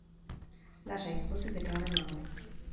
Lasai, pozik eta harro nago.